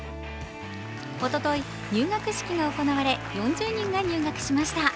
おととい、入学式が行われ４０人が入学しました。